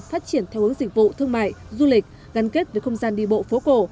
phát triển theo hướng dịch vụ thương mại du lịch gắn kết với không gian đi bộ phố cổ